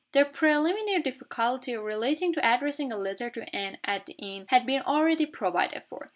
The preliminary difficulty, relating to addressing a letter to Anne at the inn, had been already provided for.